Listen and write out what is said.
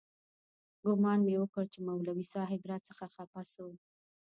ګومان مې وکړ چې مولوي صاحب راڅخه خپه سو.